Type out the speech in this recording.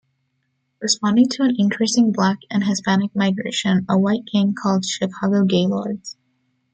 Responding to an increasing black and Hispanic migration, a white gang called Chicago Gaylords.